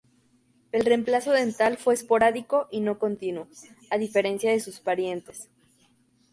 El reemplazo dental fue esporádico y no continuo, a diferencia de sus parientes.